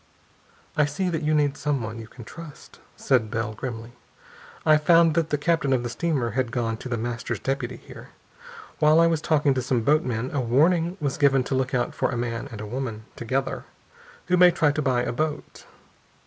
"I see that you need someone you can trust," said Bell grimly. "I found that the captain of the steamer had gone to The Master's deputy here. While I was talking to some boatmen a warning was given to look out for a man and woman, together, who may try to buy a boat.